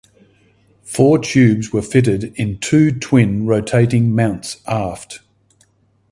Four tubes were fitted in two twin rotating mounts aft.